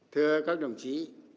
thưa các đồng chí